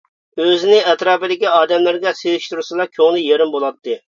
ئۆزىنى ئەتراپىدىكى ئادەملەرگە سېلىشتۇرسىلا كۆڭلى يېرىم بولاتتى.